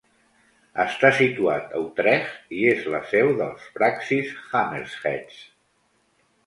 Està situat a Utrecht i és la seu dels Praxis Hammerheads.